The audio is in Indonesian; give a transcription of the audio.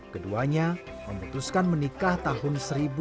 keduanya memutuskan menikah tahun seribu sembilan ratus delapan puluh